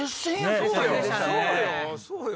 そうよ。